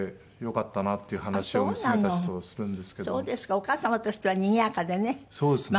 お母様としてはにぎやかでね